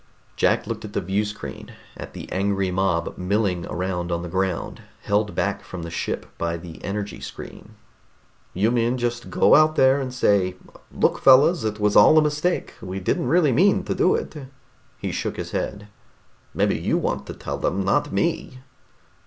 Jack looked at the viewscreen, at the angry mob milling around on the ground, held back from the ship by the energy screen. "You mean just go out there and say, 'Look fellows, it was all a mistake, we didn't really mean to do it?'" He shook his head. "Maybe you want to tell them. Not me!"